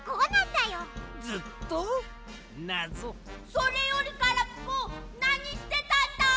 それよりガラピコなにしてたんだい！？